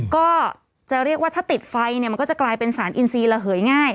ก็จะเรียกว่าถ้าติดไฟเนี่ยมันก็จะกลายเป็นสารอินซีระเหยง่าย